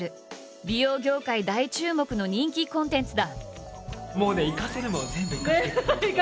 美容業界大注目の人気コンテンツだ。